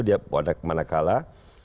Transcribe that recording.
dia mana kalah